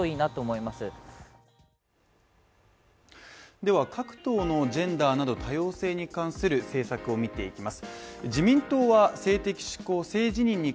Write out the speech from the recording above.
では各党のジェンダーなど多様性に関する政策を見ていきます